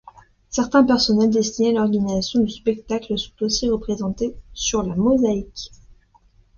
Certains personnels destinés à l'organisation du spectacle sont aussi représentés sur la mosaïque.